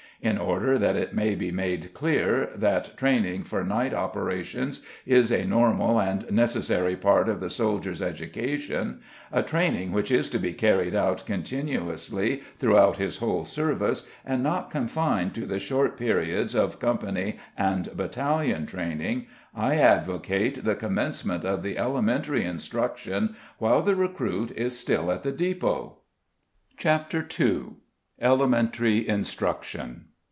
In order that it may be made clear that training for night operations is a normal and necessary part of the soldier's education, a training which is to be carried on continuously throughout his whole service, and not confined to the short periods of company and battalion training, I advocate the commencement of the elementary instruction while the recruit is still at the depôt. CHAPTER II. ELEMENTARY INSTRUCTION.